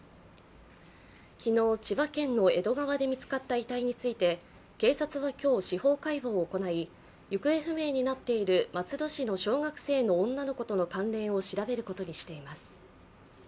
昨日、千葉県の江戸川で見つかった遺体について警察は今日、司法解剖を行い行方不明になっている松戸市の小学生の女の子との関連を調べることにしています。